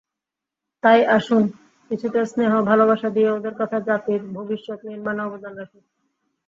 তাই আসুন, কিছুটা স্নেহ–ভালোবাসা দিয়ে ওদের তথা জাতির ভবিষ্যৎ নির্মাণে অবদান রাখি।